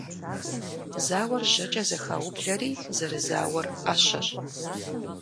Зауэр жьэкӀэ зэхаублэри зэрызауэр Ӏэщэщ.